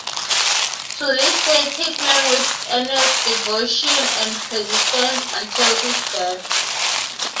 To this faith he clung with earnest devotion and persistence until his death.